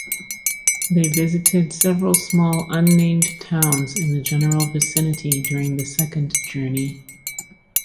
They visited several small unnamed towns in the general vicinity during the second journey.